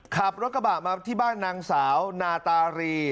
ขับรถกระบะมาที่บ้านนางสาวนาตารี